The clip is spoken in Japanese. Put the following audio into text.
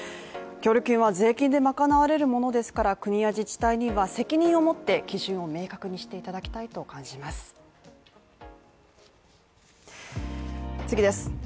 協力金は税金で賄われるものですから国や自治体には責任をもって基準を明確にしていただきたいと感じます。